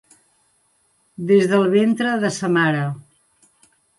Des del ventre de sa mare.